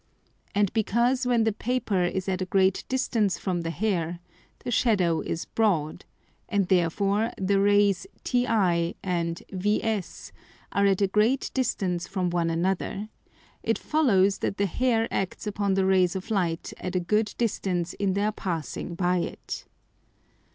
And because when the Paper is at a great distance from the Hair, the Shadow is broad, and therefore the Rays TI and VS are at a great distance from one another, it follows that the Hair acts upon the Rays of Light at a good distance in their passing by it.